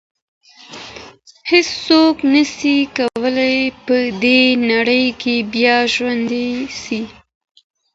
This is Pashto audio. هیڅوک نسي کولای په دې نړۍ کي بیا ژوندی سي.